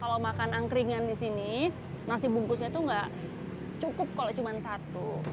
kalau makan angkringan di sini nasi bungkusnya itu nggak cukup kalau cuma satu